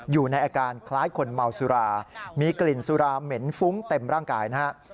อยู่ในอาการคล้ายคนเมาสุรามีกลิ่นสุราเหม็นฟุ้งเต็มร่างกายนะครับ